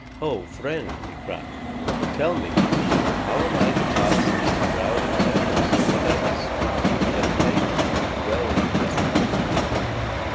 "Ho, friend," he cried. "Tell me, how am I to pass these growling curs so that I may speak with the young maiden who dwells in this house?"